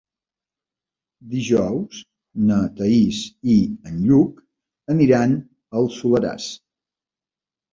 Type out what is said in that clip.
Dijous na Thaís i en Lluc aniran al Soleràs.